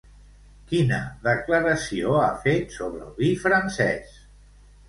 Quina declaració ha fet sobre el vi francès?